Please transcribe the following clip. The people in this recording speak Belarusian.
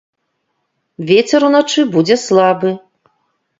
Вецер уначы будзе слабы.